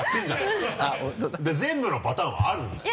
だから全部のパターンはあるんだよ。